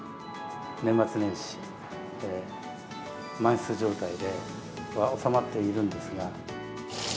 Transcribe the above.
年末年始、満室状態でおさまっているんですが。